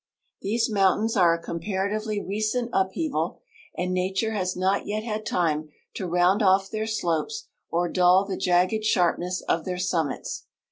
These mountains are a com]>aratively recent upheaval, and nature has not yet had time to round off their slopes or dull the jagged sharpness of their summits.